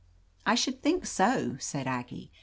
"I should think so," said Aggie.